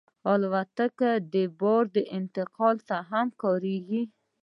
الوتکه د بار انتقال ته هم کارېږي.